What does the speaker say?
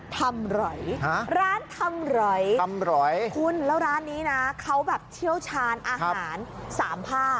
ทำร๋อยร้านทำร๋อยคุณแล้วร้านนี้นะเขาแบบเที่ยวชาญอาหาร๓ภาค